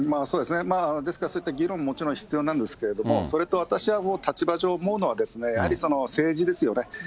そうですね、ですからそういった議論ももちろん必要なんですけれども、それと私は立場上思うのは、やはり政治ですよね。